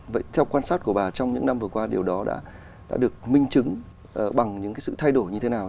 vậy theo quan sát của bà trong những năm vừa qua điều đó đã được minh chứng bằng những cái sự thay đổi như thế nào